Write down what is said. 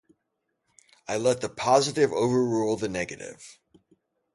I let the positive overrule the negative.